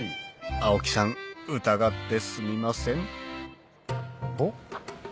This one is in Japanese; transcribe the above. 青木さん疑ってすみませんお？